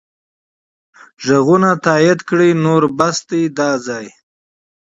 ږغونه تایید کړئ نور بس دی دا ځای.